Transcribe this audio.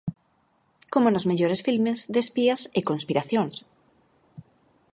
Como nos mellores filmes de espías e conspiracións.